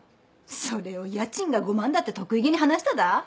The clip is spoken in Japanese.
それを家賃が５万だって得意げに話しただ？